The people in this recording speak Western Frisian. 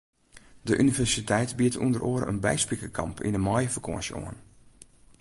De universiteit biedt ûnder oare in byspikerkamp yn de maaiefakânsje oan.